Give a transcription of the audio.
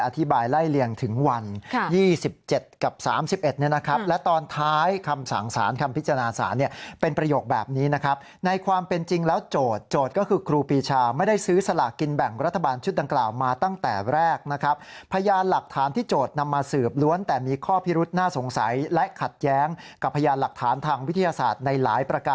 ไล่เลี่ยงถึงวัน๒๗กับ๓๑เนี่ยนะครับและตอนท้ายคำสั่งสารคำพิจารณาสารเนี่ยเป็นประโยคแบบนี้นะครับในความเป็นจริงแล้วโจทย์โจทย์ก็คือครูปีชาไม่ได้ซื้อสลากกินแบ่งรัฐบาลชุดดังกล่าวมาตั้งแต่แรกนะครับพยานหลักฐานที่โจทย์นำมาสืบล้วนแต่มีข้อพิรุษน่าสงสัยและขัดแย้งกับพยานหลักฐานทางวิทยาศาสตร์ในหลายประก